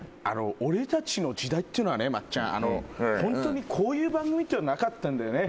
俺たちの時代ってのはね松ちゃんホントにこういう番組ってのはなかったんだよね。